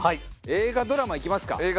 映画・ドラマいきますか。